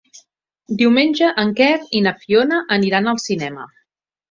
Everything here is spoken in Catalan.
Diumenge en Quer i na Fiona aniran al cinema.